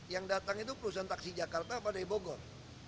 yang datang itu perusahaan taksi jakarta apa dari bogor